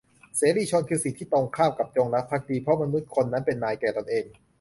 เสรีชน คือสิ่งที่ตรงข้ามกับจงรักภักดี เพราะมนุษย์คนนั้นเป็นนายแก่ตนเอง